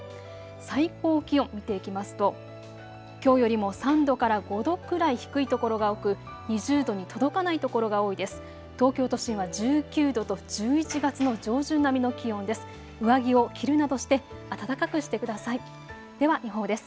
最高気温、見ていきますときょうよりも３度から５度くらい低いところが多く２０度に届かない所が多いです。